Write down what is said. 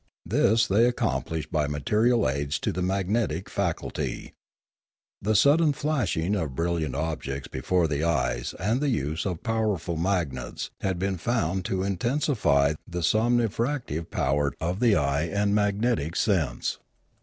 This they accom plished by material aids to the magnetic faculty. The sudden flashing of brilliant objects before the eyes and the use of powerful magnets had been found to inten sify the somnifractive power of the eye and the mag netic sense.